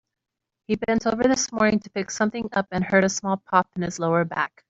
He bent over this morning to pick something up and heard a small pop in his lower back.